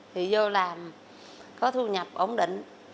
thì vô làm có thu nhập ổn định